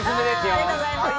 ありがとうございます。